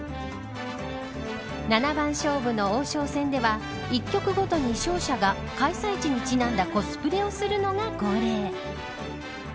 七番勝負の王将戦では１局ごとに勝者が開催地にちなんだコスプレをするのが恒例。